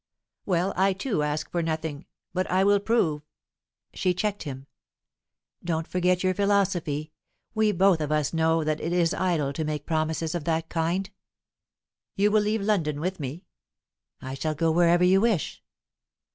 "Well, I too ask for nothing, But I will prove " She checked him. "Don't forget your philosophy. We both of us know that it is idle to make promises of that kind." "You will leave London with me?" "I shall go wherever you wish."